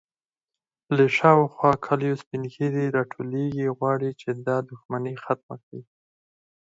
_له شاوخوا کليو سپين ږيرې راټولېږي، غواړي چې دا دښمنې ختمه کړي.